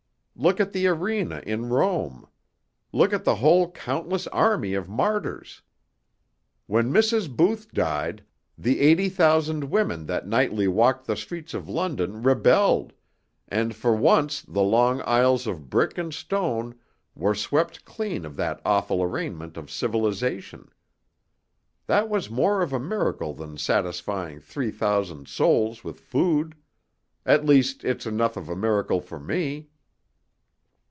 Look at the arena in Rome. Look at the whole countless army of martyrs. When Mrs. Booth died, the eighty thousand women that nightly walked the streets of London rebelled, and for once the long aisles of brick and stone were swept clean of that awful arraignment of civilization. That was more of a miracle than satisfying three thousand souls with food. At least, it's enough of a miracle for me."